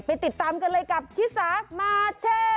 ไปติดตามกันเลยกับชิสามาร์แชร์